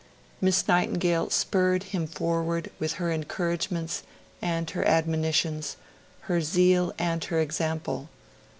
Miss Nightingale spurred him forward with her encouragements and her admonitions, her zeal and her example.